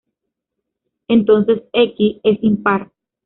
Entonces "x" es impar.